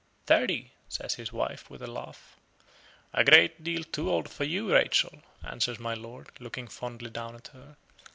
"Thirty," says his wife, with a laugh. "A great deal too old for you, Rachel," answers my lord, looking fondly down at her.